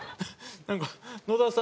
なんか野田さん